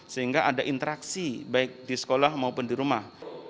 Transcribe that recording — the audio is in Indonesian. sehingga ada interaksi baik di sekolah maupun di rumah